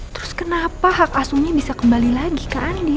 terus kenapa hak asuhnya bisa kembali lagi ke andi